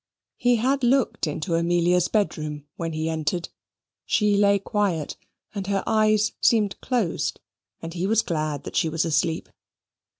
He had looked into Amelia's bedroom when he entered; she lay quiet, and her eyes seemed closed, and he was glad that she was asleep.